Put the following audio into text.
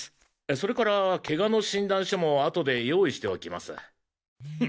それからケガの診断書も後で用意しておきます。